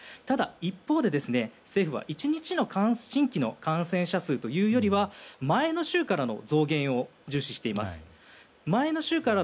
ただ、一方で政府は１日の新規の感染者数というよりは前の週からの増減を重視しています。